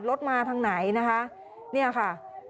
รถมาทางไหนนี่ค่ะ